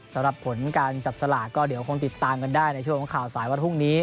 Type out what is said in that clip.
สำหรับผลการจับสลากก็เดี๋ยวคงติดตามกันได้ในช่วงของข่าวสายวันพรุ่งนี้